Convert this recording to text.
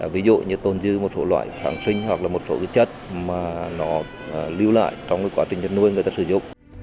ví dụ như tôn dư một số loại sản sinh hoặc là một số cái chất mà nó lưu lại trong quá trình nhân nuôi người ta sử dụng